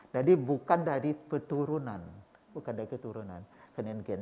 jadi bukan dari keturunan